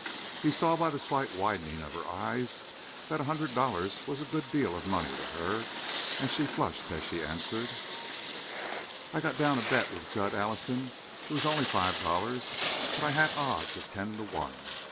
He saw by the slight widening of her eyes that a hundred dollars was a good deal of money to her; and she flushed as she answered: "I got down a bet with Jud Alison; it was only five dollars, but I had odds of ten to one.